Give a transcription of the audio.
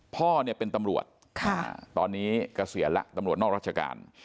พ่อเป็นตำรวจตอนนี้ก็เสียแล้วตำรวจนอกราชการ